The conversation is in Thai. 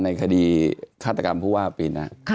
ในคดีฆาตกรรมผู้ว่าปิน